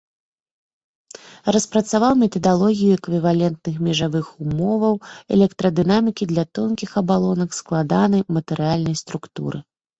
Распрацаваў метадалогію эквівалентных межавых умоваў электрадынамікі для тонкіх абалонак складанай матэрыяльнай структуры.